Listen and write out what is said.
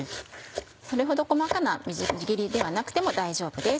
それほど細かなみじん切りではなくても大丈夫です。